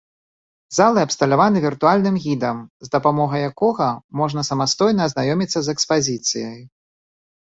Залы абсталяваны віртуальным гідам, з дапамогай якога можна самастойна азнаёміцца з экспазіцыяй.